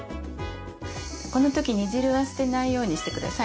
この時煮汁は捨てないようにしてください。